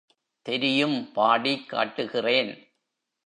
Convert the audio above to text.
தெரியும் பாடிக் காட்டுகிறேன்.